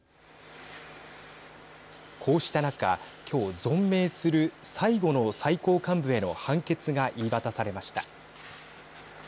こうした中、今日、存命する最後の最高幹部への判決が言い渡されました。